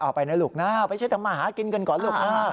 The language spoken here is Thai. เอาไปนะลูกเอาไปเชิญกันก่อนลูก